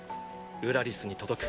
ウラリスに届く。